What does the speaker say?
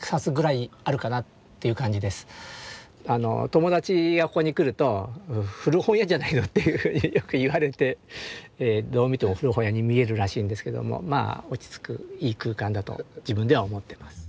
友達がここに来ると「古本屋じゃないの？」というふうによく言われてどう見ても古本屋に見えるらしいんですけどもまあ落ち着くいい空間だと自分では思ってます。